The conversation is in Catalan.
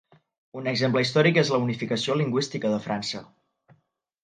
Un exemple històric és la unificació lingüística de França.